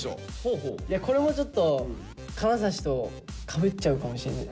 これもちょっと金指とかぶっちゃうかもしれない。